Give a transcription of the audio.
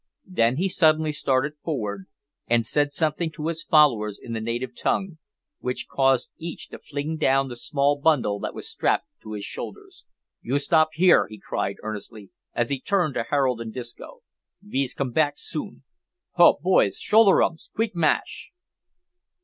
Then he suddenly started forward and said something to his followers in the native tongue, which caused each to fling down the small bundle that was strapped to his shoulders. "Yoo stop here," he cried, earnestly, as he turned to Harold and Disco. "Ve's com bak soon. Ho! boys, sholler 'ums! queek mash!"